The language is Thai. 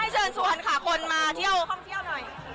เชิญชวนค่ะคนมาเที่ยวท่องเที่ยวหน่อย